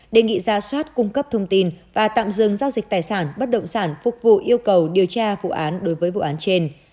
đề nghị ra soát cung cấp thông tin và tạm dừng giao dịch tài sản bất động sản phục vụ yêu cầu điều tra vụ án đối với vụ án trên